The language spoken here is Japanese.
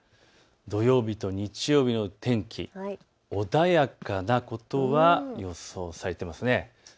土曜日と日曜日の天気、穏やかなことが予想されています。